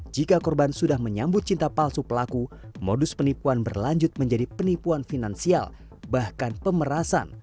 jika korban sudah menyambut cinta palsu pelaku modus penipuan berlanjut menjadi penipuan finansial bahkan pemerasan